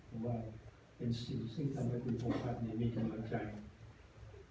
เพราะว่าเป็นสิ่งที่ทำให้คุณโฟฟัสเนี่ยมีคุณประจักษ์